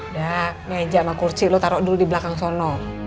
udah meja sama kursi lo taruh dulu di belakang sono